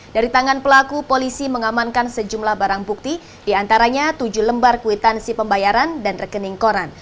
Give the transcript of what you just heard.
dari tangan pelaku polisi mengamankan sejumlah barang bukti diantaranya tujuh lembar kwitansi pembayaran dan rekening koran